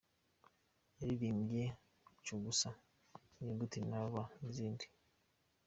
Yaririmbye "Cugusa", "Inyuguti ya R" n’izindi.